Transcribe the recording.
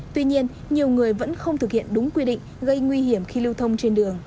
tuy nhiên nhiều người vẫn không thực hiện đúng quy định gây nguy hiểm khi lưu thông trên đường